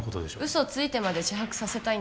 嘘ついてまで自白させたい？